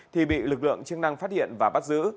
thì bị lực lượng chức năng phát hiện và bắt giữ